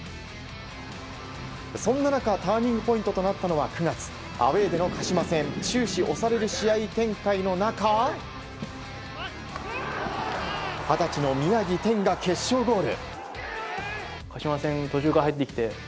そんな中、ターニングポイントとなったのは９月アウェーでの鹿島戦終始、押される試合展開の中二十歳の宮城天が決勝ゴール。